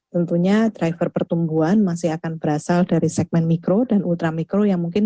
tentunya driver pertumbuhan masih akan berasal dari segmen mikro dan ultramikro yang mungkin